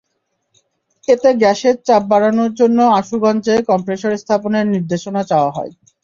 এতে গ্যাসের চাপ বাড়ানোর জন্য আশুগঞ্জে কমপ্রেসর স্থাপনের নির্দেশনা চাওয়া হয়।